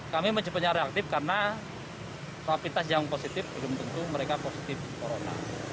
kami menyebutnya reaktif karena rapi tes yang positif belum tentu mereka positif corona